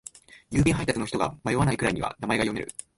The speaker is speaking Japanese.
郵便配達の人が迷わないくらいには名前は読める。